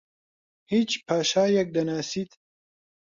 هیچ پاشایەک دەناسیت؟